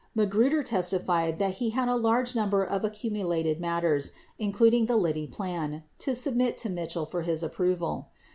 Magruder testified that he had a large number of accumulated matters, including the Liddy plan, to submit to Mitchell for his approval.